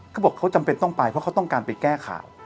เขาบอกเขาจำเป็นต้องไปเพราะเขาต้องการไปแก้ข่าว